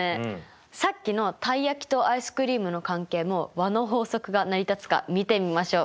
さっきのたい焼きとアイスクリームの関係も和の法則が成り立つか見てみましょう。